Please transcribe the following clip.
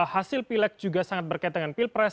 hasil pilek juga sangat berkait dengan pilpres